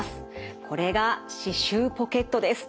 これが歯周ポケットです。